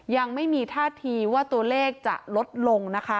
ยังไม่มีท่าทีว่าตัวเลขจะลดลงนะคะ